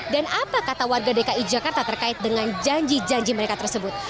dan apa kata warga dki jakarta terkait dengan janji janji mereka tersebut